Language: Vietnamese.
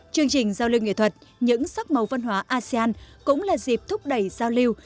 chương trình giao lưu nghệ thuật những sắc màu văn hóa asean cũng là dịp thúc đẩy giao lưu